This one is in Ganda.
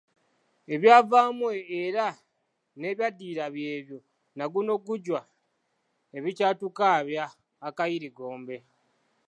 Ebyavaamu era n’ebyaddirira byebyo nagunogujwa ebikyatukaabya akayirigombe.